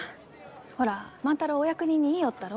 ほら万太郎お役人に言いよったろう？